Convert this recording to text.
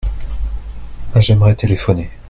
J'aimerais téléphoner.